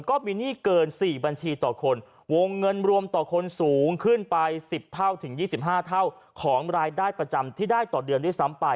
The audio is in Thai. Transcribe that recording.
ก็มีหนี้เกิน๔บัญชีต่อคนวงเงินรวมต่อคนสูงขึ้นไป๑๐เท่าถึง๒๕เท่าของรายได้ประจำที่ได้ต่อเดือนด้วยซ้ำไป